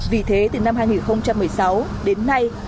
vì thế từ năm hai nghìn một mươi sáu đến nay